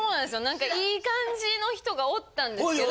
何かいい感じの人がおったんですけど。